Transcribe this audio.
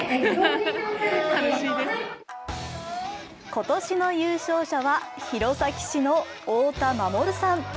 今年の優勝者は弘前市の太田守さん。